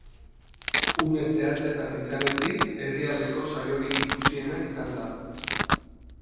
Une zehatzetan izan ezik, herrialdeko saiorik ikusiena izan da.